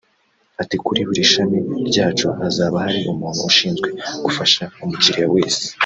Ati “Kuri buri shami ryacu hazaba hari umuntu ushinzwe gufasha umukiriya wese